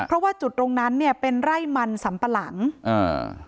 เพราะว่าจุดตรงนั้นเนี้ยเป็นไร่มันสัมปะหลังอ่า